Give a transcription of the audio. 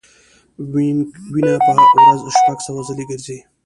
وینه په ورځ شپږ سوه ځلې ګرځي.